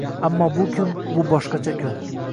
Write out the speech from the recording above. Аmmo bu kun – bu boshqacha kun